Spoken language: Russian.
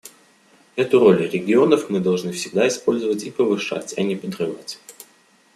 Эту роль регионов мы должны всегда использовать и повышать, а не подрывать.